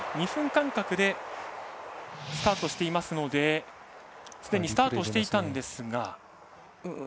２分間隔でスタートしていますのですでにスタートしていたんですが。